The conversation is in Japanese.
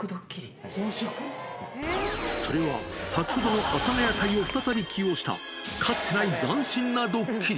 それは、先ほどの阿佐ヶ谷隊を再び起用した、かつてない斬新なドッキリ。